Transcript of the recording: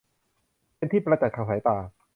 เป็นที่ประจักษ์ทางสายตา